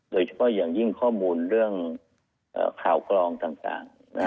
โดยเฉพาะอย่างยิ่งข้อมูลเรื่องข่าวกรองต่าง